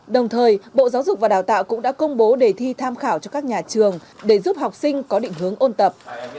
đồng thời bộ giáo dục và đào tạo cũng đã công bố đề thi tham khảo cho các nhà trường để giúp học sinh có định hướng ôn tập